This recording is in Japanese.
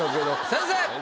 先生。